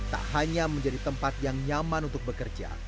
tak hanya menjadi tempat yang nyaman untuk bekerja